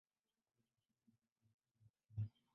Kundi hili lipo Afrika ya Kusini.